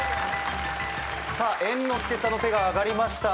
さあ猿之助さんの手があがりました。